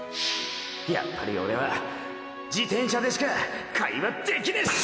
やっぱりオレは自転車でしか会話できねェショ！！